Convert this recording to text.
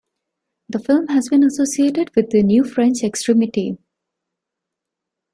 The film has been associated with the New French Extremity.